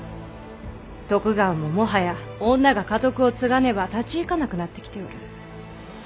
徳川ももはや女が家督を継がねば立ち行かなくなってきておる。